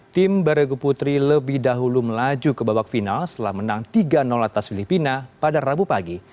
tim beregu putri lebih dahulu melaju ke babak final setelah menang tiga atas filipina pada rabu pagi